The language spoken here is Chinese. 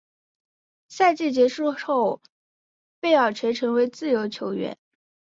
赛季结束后贝尔垂成为自由球员。